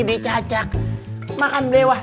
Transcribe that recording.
di cacak makan lewah